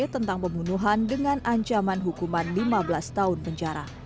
tentang pembunuhan dengan ancaman hukuman lima belas tahun penjara